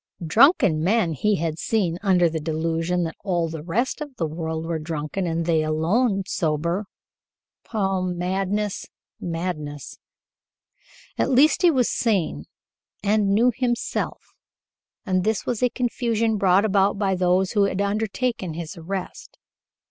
Drunken men he had seen under the delusion that all the rest of the world were drunken and they alone sober. Oh, madness, madness! At least he was sane and knew himself, and this was a confusion brought about by those who had undertaken his arrest.